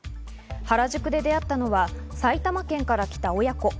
原宿で会ったのは埼玉県から来た親子。